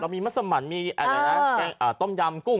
เรามีมาสะหมัดมีอะไรนะต้มยำกุ้ง